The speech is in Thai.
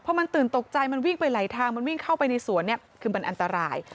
พอมันตื่นตกใจมันวิ่งไปไหลทางมันวิ่งเข้าไปในสวนเนี่ยคือมันอันตราย